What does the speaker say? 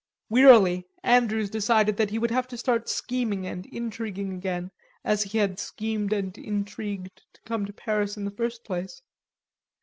Wearily Andrews decided that he would have to start scheming and intriguing again as he had schemed and intrigued to come to Paris in the first place.